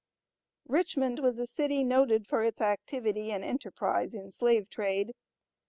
Richmond was a city noted for its activity and enterprise in slave trade.